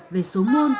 về số môn